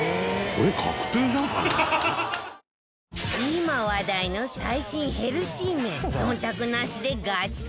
今話題の最新ヘルシー麺忖度なしでガチ採点